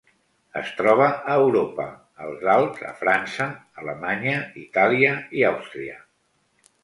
Es troba a Europa: els Alps a França, Alemanya, Itàlia i Àustria.